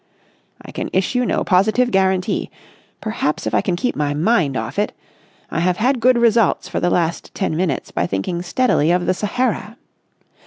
"I can issue no positive guarantee. Perhaps if I can keep my mind off it.... I have had good results for the last ten minutes by thinking steadily of the Sahara.